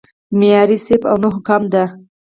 معیاري صرف او نحو کم دی